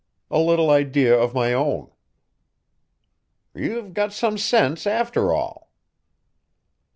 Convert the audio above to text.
"A little idea of my own." "You've got some sense, after all."